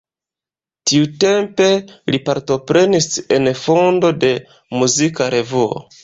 Tiutempe li partoprenis en fondo de muzika revuo.